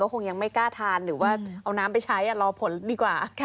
คงยังไม่กล้าทานหรือว่าเอาน้ำไปใช้รอผลดีกว่า